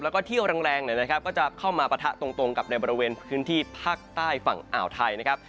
แล้วก็เที่ยวแรงเนี่ยนะครับก็จะเข้ามาปะทะตรงกับในบริเวณพื้นที่ภาคใต้ฝั่งอ่าวไทยนะครับ